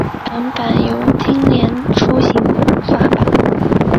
台湾版由联经出版发行。